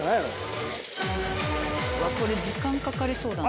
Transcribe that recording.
これ時間かかりそうだな。